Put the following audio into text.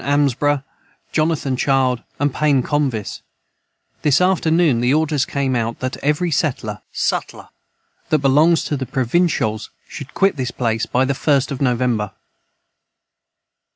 Armsba Jonathan Child and Pain Convis this after noon the orders came out that every setler that Belongs to the Provinshols should Quit this place by the first of November.